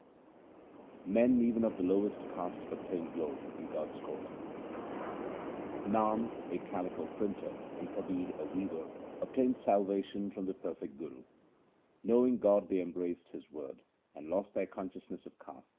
i6o THE SIKH RELIGION Men even of the lowest caste obtain glory in God's court :— Nama, a calico printer, and Kabir, a weaver, obtained salvation from the perfect guru. Knowing God they embraced His word, and lost their consciousness of caste.